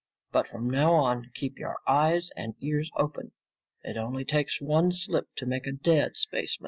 "But from now on, keep your eyes and ears open. It only takes one slip to make a dead spaceman!"